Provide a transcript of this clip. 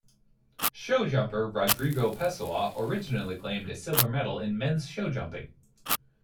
Show jumper Rodrigo Pessoa originally claimed a silver medal in men's show jumping.